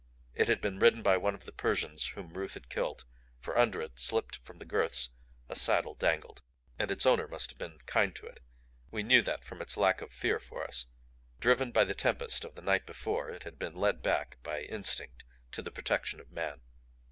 It had been ridden by one of the Persians whom Ruth had killed, for under it, slipped from the girths, a saddle dangled. And its owner must have been kind to it we knew that from its lack of fear for us. Driven by the tempest of the night before, it had been led back by instinct to the protection of man.